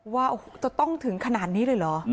ว่าโอ้โหจะต้องถึงขนาดนี้เลยเหรอ